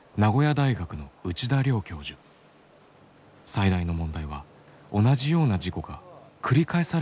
最大の問題は同じような事故が繰り返されていることだといいます。